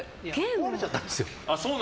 壊れちゃったんですよ。